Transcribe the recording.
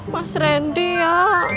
mas rendy ya